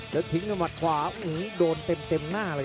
แล้วทิ้งมาหมัดขวาโหโดนเต็มหน้า